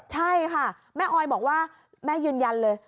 ใช่ค่ะแม่ออยบอกว่าแม่ยืนยันเลย